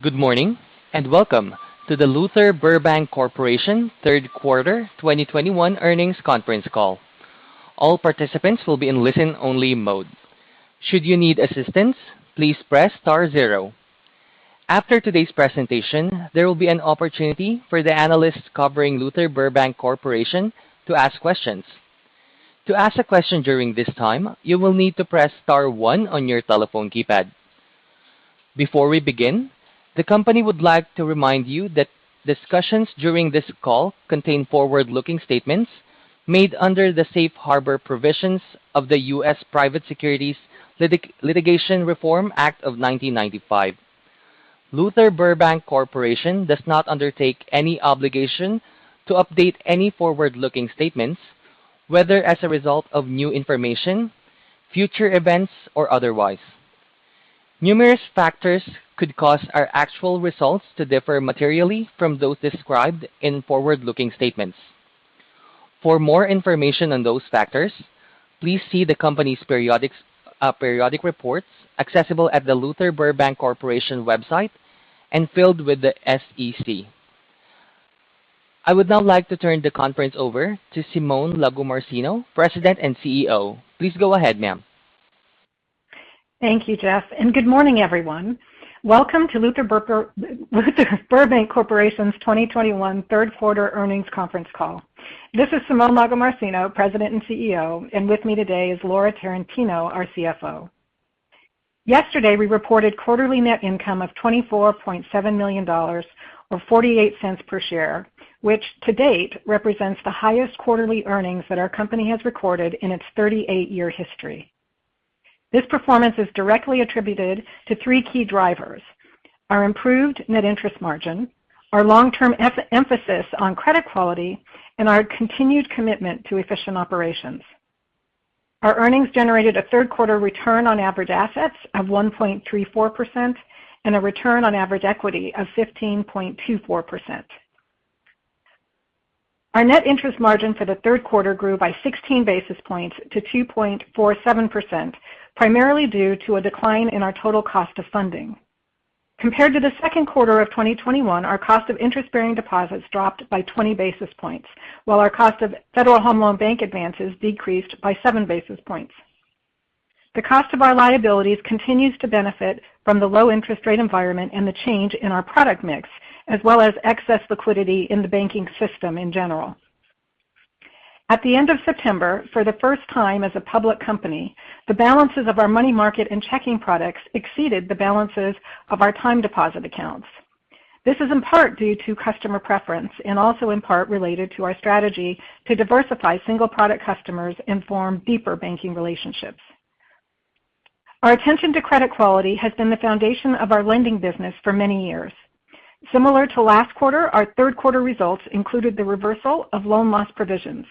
Good morning, and welcome to the Luther Burbank Corporation third quarter 2021 earnings conference call. All participants will be in listen-only mode. Should you need assistance, please press star zero. After today's presentation, there will be an opportunity for the analysts covering Luther Burbank Corporation to ask questions. To ask a question during this time, you will need to press star one on your telephone keypad. Before we begin, the company would like to remind you that discussions during this call contain forward-looking statements made under the safe harbor provisions of the U.S. Private Securities Litigation Reform Act of 1995. Luther Burbank Corporation does not undertake any obligation to update any forward-looking statements, whether as a result of new information, future events, or otherwise. Numerous factors could cause our actual results to differ materially from those described in forward-looking statements. For more information on those factors, please see the company's periodic reports accessible at the Luther Burbank Corporation website and filed with the SEC. I would now like to turn the conference over to Simone Lagomarsino, President and CEO. Please go ahead, ma'am. Thank you, Jeff, and good morning, everyone. Welcome to Luther Burbank Corporation's 2021 third quarter earnings conference call. This is Simone Lagomarsino, President and CEO, and with me today is Laura Tarantino, our CFO. Yesterday, we reported quarterly net income of $24.7 million or $0.48 per share, which to date represents the highest quarterly earnings that our company has recorded in its 38-year history. This performance is directly attributed to three key drivers, our improved net interest margin, our long-term emphasis on credit quality, and our continued commitment to efficient operations. Our earnings generated a third quarter return on average assets of 1.34% and a return on average equity of 15.24%. Our net interest margin for the third quarter grew by 16 basis points to 2.47%, primarily due to a decline in our total cost of funding. Compared to the second quarter of 2021, our cost of interest-bearing deposits dropped by 20 basis points, while our cost of Federal Home Loan Bank advances decreased by 7 basis points. The cost of our liabilities continues to benefit from the low interest rate environment and the change in our product mix, as well as excess liquidity in the banking system in general. At the end of September, for the first time as a public company, the balances of our money market and checking products exceeded the balances of our time deposit accounts. This is in part due to customer preference and also in part related to our strategy to diversify single product customers and form deeper banking relationships. Our attention to credit quality has been the foundation of our lending business for many years. Similar to last quarter, our third quarter results included the reversal of loan loss provisions.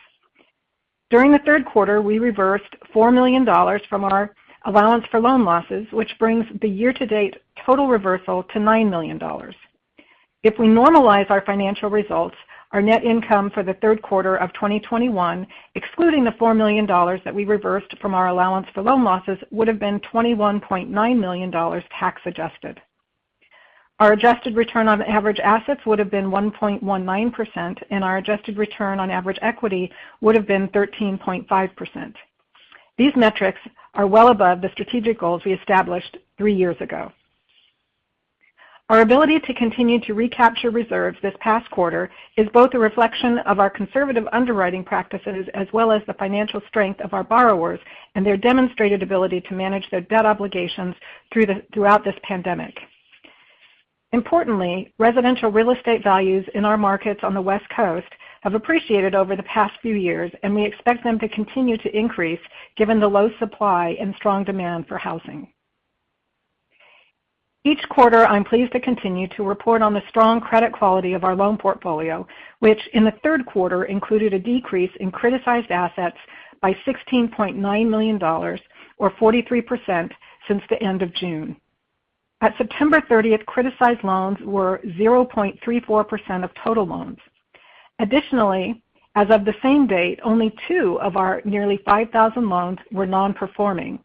During the third quarter, we reversed $4 million from our allowance for loan losses, which brings the year-to-date total reversal to $9 million. If we normalize our financial results, our net income for the third quarter of 2021, excluding the $4 million that we reversed from our allowance for loan losses, would have been $21.9 million tax adjusted. Our adjusted return on average assets would have been 1.19%, and our adjusted return on average equity would have been 13.5%. These metrics are well above the strategic goals we established three years ago. Our ability to continue to recapture reserves this past quarter is both a reflection of our conservative underwriting practices as well as the financial strength of our borrowers and their demonstrated ability to manage their debt obligations throughout this pandemic. Importantly, residential real estate values in our markets on the West Coast have appreciated over the past few years, and we expect them to continue to increase given the low supply and strong demand for housing. Each quarter, I'm pleased to continue to report on the strong credit quality of our loan portfolio, which in the third quarter included a decrease in criticized assets by $16.9 million or 43% since the end of June. At September 30th, criticized loans were 0.34% of total loans. Additionally, as of the same date, only two of our nearly 5,000 loans were non-performing.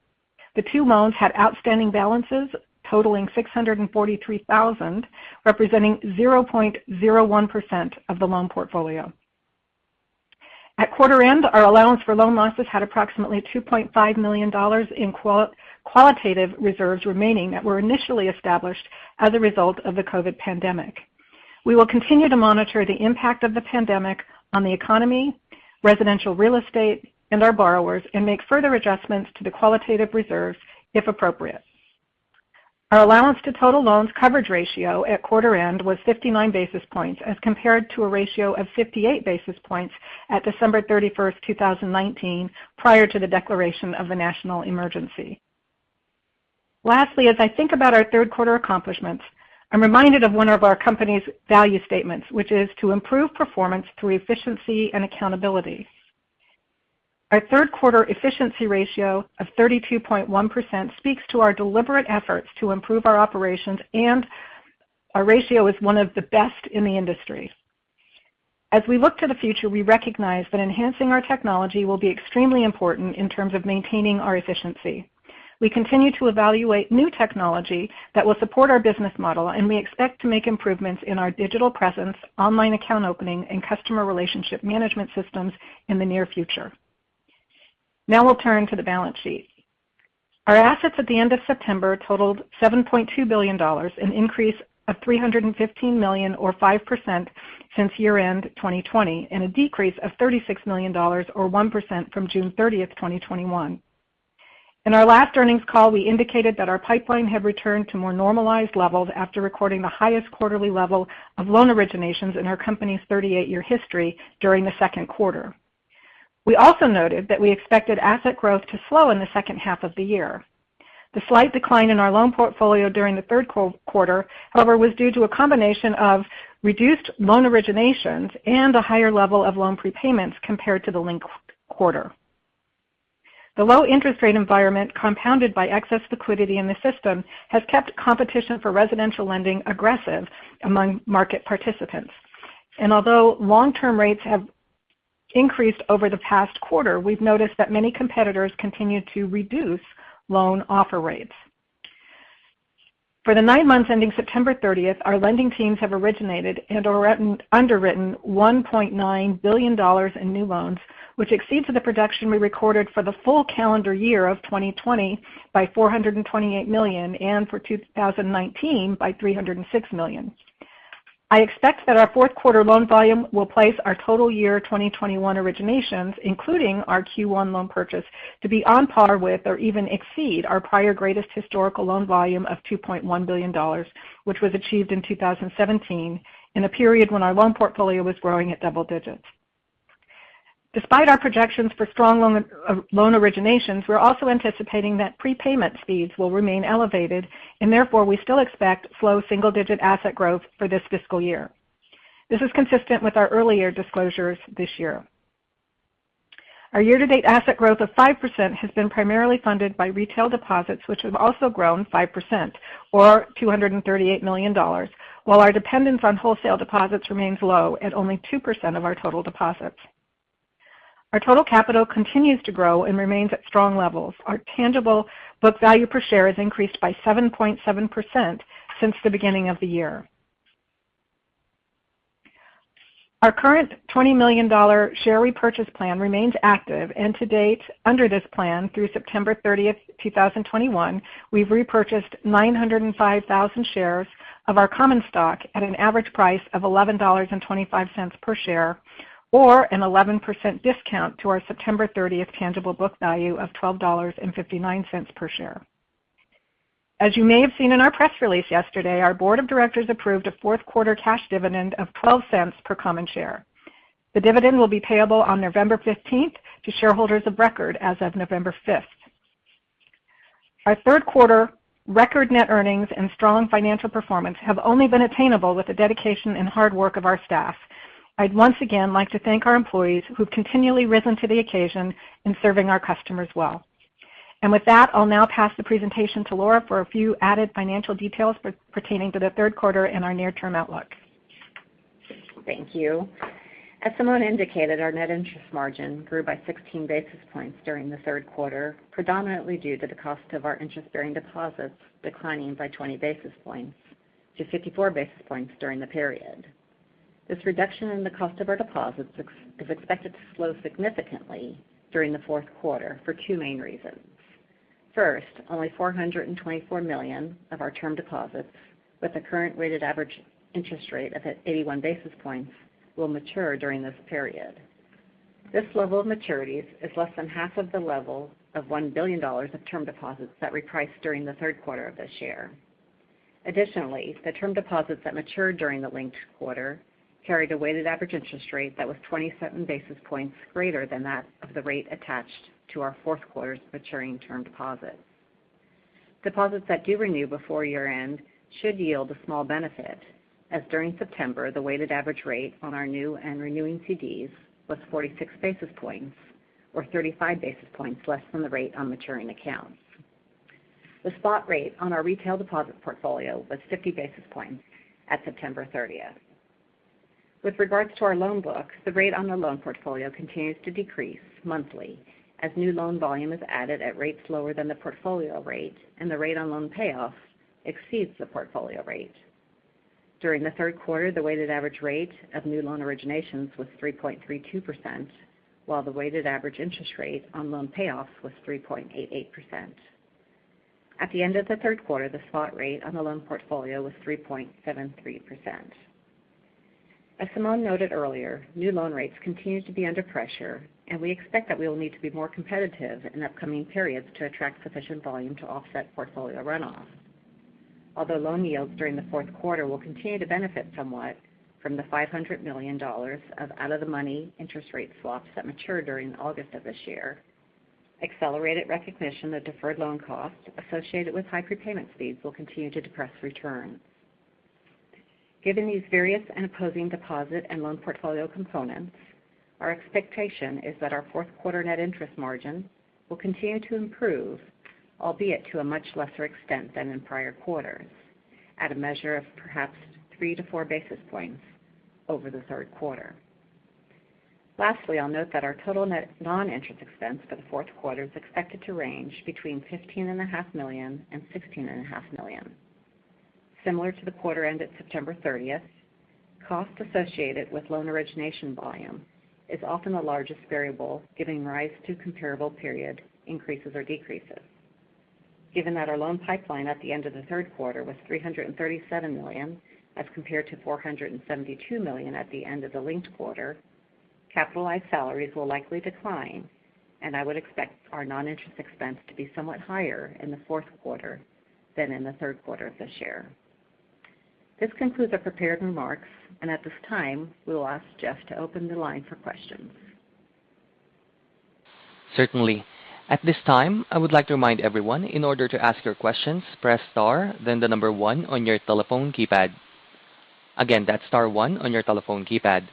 The two loans had outstanding balances totaling $643,000, representing 0.01% of the loan portfolio. At quarter end, our allowance for loan losses had approximately $2.5 million in qualitative reserves remaining that were initially established as a result of the COVID pandemic. We will continue to monitor the impact of the pandemic on the economy, residential real estate, and our borrowers and make further adjustments to the qualitative reserves if appropriate. Our allowance to total loans coverage ratio at quarter end was 59 basis points as compared to a ratio of 58 basis points at December 31st, 2019, prior to the declaration of the national emergency. Lastly, as I think about our third quarter accomplishments, I'm reminded of one of our company's value statements, which is to improve performance through efficiency and accountability. Our third quarter efficiency ratio of 32.1% speaks to our deliberate efforts to improve our operations, and our ratio is one of the best in the industry. As we look to the future, we recognize that enhancing our technology will be extremely important in terms of maintaining our efficiency. We continue to evaluate new technology that will support our business model, and we expect to make improvements in our digital presence, online account opening, and customer relationship management systems in the near future. Now we'll turn to the balance sheet. Our assets at the end of September totaled $7.2 billion, an increase of $315 million or 5% since year-end 2020, and a decrease of $36 million or 1% from June 30th, 2021. In our last earnings call, we indicated that our pipeline had returned to more normalized levels after recording the highest quarterly level of loan originations in our company's 38-year history during the second quarter. We also noted that we expected asset growth to slow in the second half of the year. The slight decline in our loan portfolio during the third quarter, however, was due to a combination of reduced loan originations and a higher level of loan prepayments compared to the linked quarter. The low interest rate environment, compounded by excess liquidity in the system, has kept competition for residential lending aggressive among market participants. Although long-term rates have increased over the past quarter, we've noticed that many competitors continue to reduce loan offer rates. For the nine months ending September 30th, our lending teams have originated and underwritten $1.9 billion in new loans, which exceeds the production we recorded for the full calendar year of 2020 by $428 million and for 2019 by $306 million. I expect that our fourth quarter loan volume will place our total year 2021 originations, including our Q1 loan purchase, to be on par with or even exceed our prior greatest historical loan volume of $2.1 billion, which was achieved in 2017 in a period when our loan portfolio was growing at double digits. Despite our projections for strong loan originations, we're also anticipating that prepayment speeds will remain elevated, and therefore we still expect slow single-digit asset growth for this fiscal year. This is consistent with our earlier disclosures this year. Our year-to-date asset growth of 5% has been primarily funded by retail deposits, which have also grown 5% or $238 million. While our dependence on wholesale deposits remains low at only 2% of our total deposits. Our total capital continues to grow and remains at strong levels. Our tangible book value per share has increased by 7.7% since the beginning of the year. Our current $20 million share repurchase plan remains active. To date, under this plan through September 30th, 2021, we've repurchased 905,000 shares of our common stock at an average price of $11.25 per share, or an 11% discount to our September 30th tangible book value of $12.59 per share. As you may have seen in our press release yesterday, our board of directors approved a fourth quarter cash dividend of $0.12 per common share. The dividend will be payable on November 15th to shareholders of record as of November 5th. Our third quarter record net earnings and strong financial performance have only been attainable with the dedication and hard work of our staff. I'd once again like to thank our employees who've continually risen to the occasion in serving our customers well. With that, I'll now pass the presentation to Laura for a few added financial details pertaining to the third quarter and our near-term outlook. Thank you. As Simone indicated, our net interest margin grew by 16 basis points during the third quarter, predominantly due to the cost of our interest-bearing deposits declining by 20 basis points to 54 basis points during the period. This reduction in the cost of our deposits is expected to slow significantly during the fourth quarter for two main reasons. First, only $424 million of our term deposits with the current weighted average interest rate of 81 basis points will mature during this period. This level of maturities is less than half of the level of $1 billion of term deposits that repriced during the third quarter of this year. Additionally, the term deposits that matured during the linked quarter carried a weighted average interest rate that was 27 basis points greater than that of the rate attached to our fourth quarter's maturing term deposits. Deposits that do renew before year-end should yield a small benefit, as during September, the weighted average rate on our new and renewing CDs was 46 basis points or 35 basis points less than the rate on maturing accounts. The spot rate on our retail deposit portfolio was 50 basis points at September 30th. With regard to our loan book, the rate on the loan portfolio continues to decrease monthly as new loan volume is added at rates lower than the portfolio rate, and the rate on loan payoffs exceeds the portfolio rate. During the third quarter, the weighted average rate of new loan originations was 3.32%, while the weighted average interest rate on loan payoffs was 3.88%. At the end of the third quarter, the spot rate on the loan portfolio was 3.73%. Simone noted earlier, new loan rates continue to be under pressure, and we expect that we will need to be more competitive in upcoming periods to attract sufficient volume to offset portfolio runoff. Although loan yields during the fourth quarter will continue to benefit somewhat from the $500 million of out of the money interest rate swaps that matured during August of this year, accelerated recognition of deferred loan costs associated with high prepayment speeds will continue to depress returns. Given these various and opposing deposit and loan portfolio components, our expectation is that our fourth quarter net interest margin will continue to improve, albeit to a much lesser extent than in prior quarters. At a measure of perhaps 3 basis points-4 basis points over the third quarter. Lastly, I'll note that our total net non-interest expense for the fourth quarter is expected to range between $15.5 million and $16.5 million. Similar to the quarter ended September 30th, costs associated with loan origination volume is often the largest variable giving rise to comparable period increases or decreases. Given that our loan pipeline at the end of the third quarter was $337 million as compared to $472 million at the end of the linked quarter, capitalized salaries will likely decline, and I would expect our non-interest expense to be somewhat higher in the fourth quarter than in the third quarter of this year. This concludes our prepared remarks, and at this time, we will ask Jeff to open the line for questions. Certainly. At this time, I would like to remind everyone, in order to ask your questions, press star, then the number one on your telephone keypad. Again, that's star one on your telephone keypad.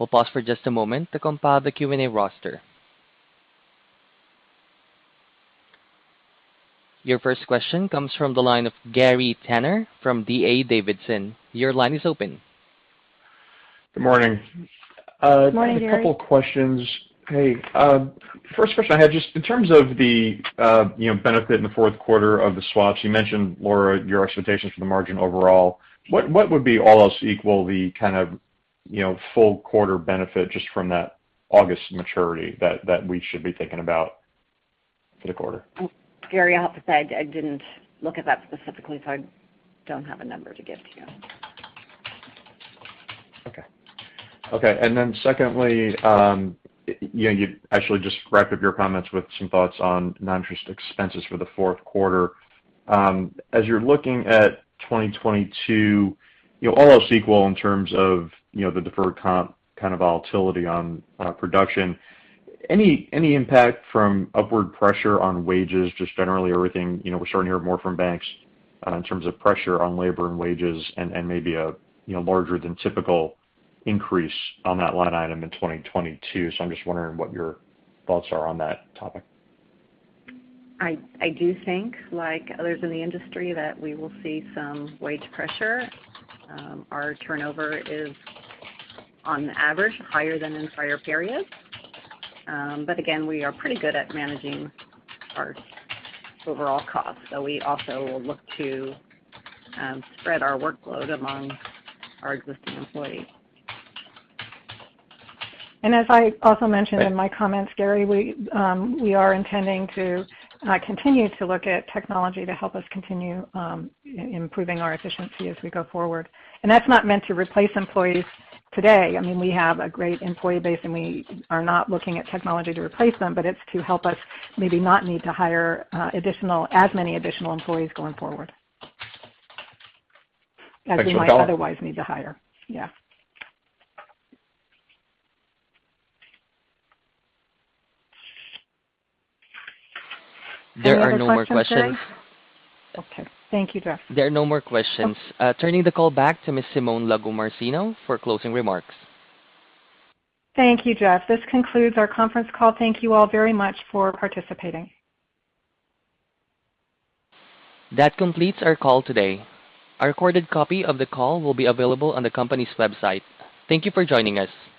We'll pause for just a moment to compile the Q&A roster. Your first question comes from the line of Gary Tenner from D.A. Davidson. Your line is open. Good morning. Good morning, Gary. A couple questions. Hey, first question I had, just in terms of the you know, benefit in the fourth quarter of the swaps, you mentioned, Laura, your expectations for the margin overall. What would be all else equal the kind of you know, full quarter benefit just from that August maturity that we should be thinking about for the quarter? Gary, I'll have to say I didn't look at that specifically, so I don't have a number to give to you. Okay. Secondly, you know, you actually just wrapped up your comments with some thoughts on non-interest expenses for the fourth quarter. As you're looking at 2022, you know, all else equal in terms of, you know, the deferred compensation kind of volatility on production, any impact from upward pressure on wages just generally everything? You know, we're starting to hear more from banks in terms of pressure on labor and wages and maybe a you know, larger than typical increase on that line item in 2022. I'm just wondering what your thoughts are on that topic. I do think like others in the industry that we will see some wage pressure. Our turnover is on average higher than in prior periods. Again, we are pretty good at managing our overall costs. We also will look to spread our workload among our existing employees. As I also mentioned in my comments, Gary, we are intending to continue to look at technology to help us continue improving our efficiency as we go forward. That's not meant to replace employees today. I mean, we have a great employee base, and we are not looking at technology to replace them, but it's to help us maybe not need to hire additional, as many additional employees going forward. Thanks for- As we might otherwise need to hire. Yeah. There are no more questions. Any other questions, Jeff? Okay. Thank you, Jeff. There are no more questions. Oh. Turning the call back to Ms. Simone Lagomarsino for closing remarks. Thank you, Jeff. This concludes our conference call. Thank you all very much for participating. That completes our call today. A recorded copy of the call will be available on the company's website. Thank you for joining us.